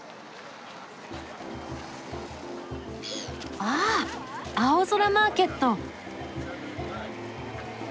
ああ青空マーケット。